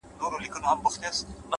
o تر دې نو بله ښه غزله کتابي چیري ده؛